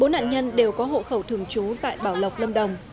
bốn nạn nhân đều có hộ khẩu thường trú tại bảo lộc lâm đồng